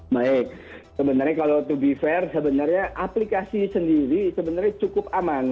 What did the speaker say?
baik sebenarnya kalau to be fair sebenarnya aplikasi sendiri sebenarnya cukup aman